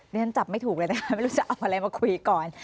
ฉันจับไม่ถูกเลยนะคะไม่รู้จะเอาอะไรมาคุยก่อน